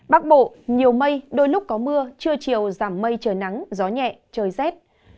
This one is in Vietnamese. bắc bộ nhiều mây đôi lúc có mưa trưa chiều giảm mây trời nắng gió nhẹ trời rét